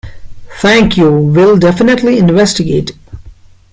Thank you. Will definitely investigate.